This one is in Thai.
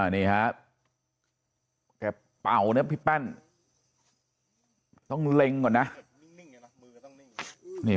นี่ครับแกเป่าเนี่ยพี่แป้นต้องเล็งก่อนนะ